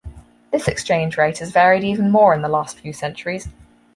This exchange rate has varied even more in the last few centuries.